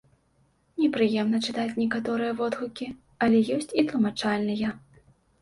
Непрыемна чытаць некаторыя водгукі, але ёсць і тлумачальныя.